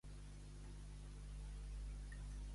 Aquí m'agenollo, Senyor, per tocar-vos el pixador.